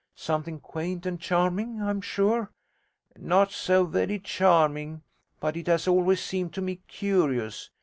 Something quaint and charming, I'm sure.' 'Not so very charming, but it has always seemed to me curious.